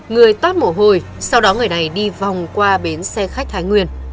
người toát mồ hôi sau đó người này đi vòng qua bến xe khách thái nguyên